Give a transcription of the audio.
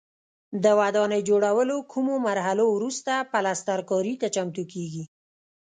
د ودانۍ جوړولو کومو مرحلو وروسته پلسترکاري ته چمتو کېږي.